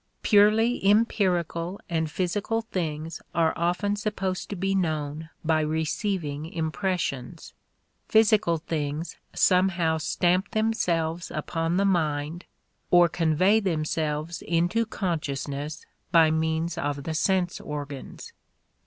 Purely empirical and physical things are often supposed to be known by receiving impressions. Physical things somehow stamp themselves upon the mind or convey themselves into consciousness by means of the sense organs.